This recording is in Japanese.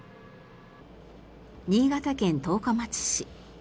新潟県十日町市。